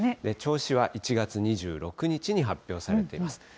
銚子は１月２６日に発表されています。